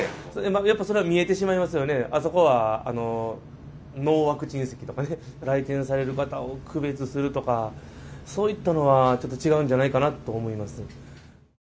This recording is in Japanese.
やっぱりそれは見えてしまいますよね、あそこはノーワクチン席とかね、来店される方を区別するとか、そういったのは、ちょっと違うんじゃないかなと思います。